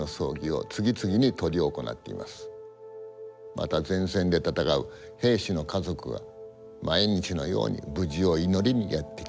また前線で戦う兵士の家族が毎日のように無事を祈りにやって来ています。